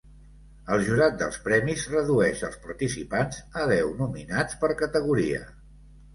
El jurat dels premis redueix els participants a deu nominats per categoria.